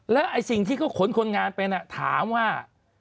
แล้วที่เขาขนคนงานไปนะถามว่า